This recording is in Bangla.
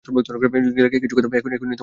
লীনাকে কিছু কথা এখনি বলে দেয়ার সময় এসেছে।